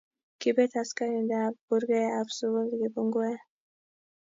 Kiibet askarinte ab kurkee ab sukul kipunguet.